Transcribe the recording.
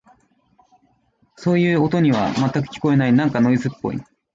そういう音には、全く聞こえない。なんかノイズっぽい。